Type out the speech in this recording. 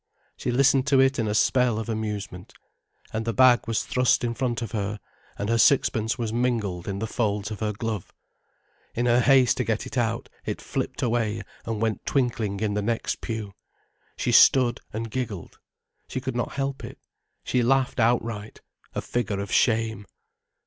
She listened to it in a spell of amusement. And the bag was thrust in front of her, and her sixpence was mingled in the folds of her glove. In her haste to get it out, it flipped away and went twinkling in the next pew. She stood and giggled. She could not help it: she laughed outright, a figure of shame.